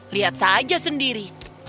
lihat saja sendiri